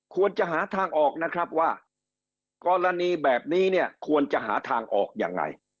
ควรจะหาทางออกนะครับว่ากรณีแบบนี้เนี่ยควรจะหาทางออกยังไง